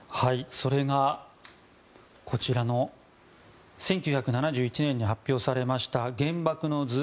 それが、こちらの１９７１年に発表されました「原爆の図」